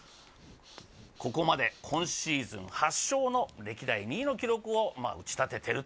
ここまで今シーズン８勝の歴代２位の記録を打ち立てていると。